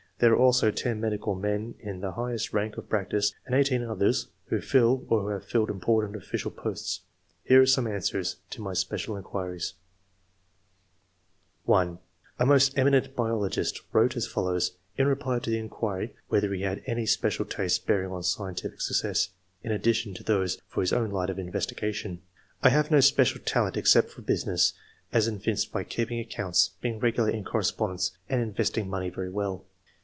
There are also ten medical men in the highest rank of practice, and eighteen others who fill or have filled important official posts. Here are some answers to my special inquiries :— 1 .— A most eminent biologist wrote as follows, in reply to the inquiry whether he had any special tastes bearing on scientific success, in addition to those for his own line of in vestigation :—*' I have no special talent except for business, as evinced by keeping accounts, being regular in correspondence, and investing money very well."